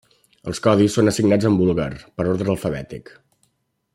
Els codis són assignats en búlgar per ordre alfabètic.